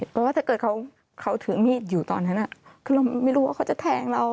เพราะว่าถ้าเกิดเขาถือมีดอยู่ตอนนั้นคือเราไม่รู้ว่าเขาจะแทงเรา